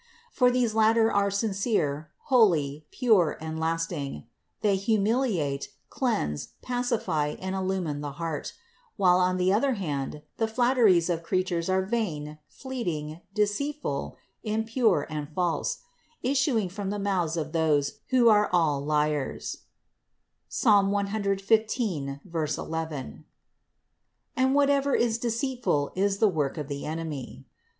For these latter are sincere, holy, pure, and lasting: they humiliate, cleanse, pacify and illumine the heart ; while on the other hand the flatteries of creatures are vain, fleeting, deceit ful, impure and false, issuing from the mouths of those who are all liars (Ps. 115, 11) ; and whatever is deceitful is a work of the enemy.